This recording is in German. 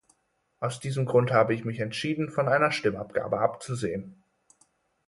Aus diesem Grund habe ich mich entschieden, von einer Stimmabgabe abzusehen.